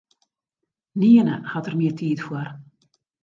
Nearne hat er mear tiid foar.